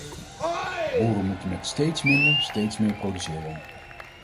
Boeren moeten met steeds minder steeds meer produceren.